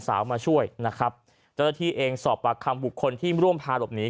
สาวมาช่วยนะครับตัวที่เองสอบประคัมบุคคลที่ร่วมภาพนี้